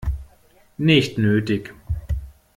Nicht nötig.